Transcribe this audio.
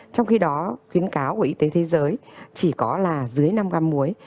trong khi đó khuyến cáo của y tế thế giới chỉ có là dưới năm gam muối